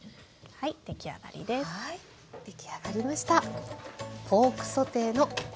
はい出来上がりました。